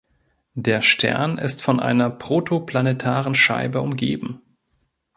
Der Stern ist von einer protoplanetaren Scheibe umgeben.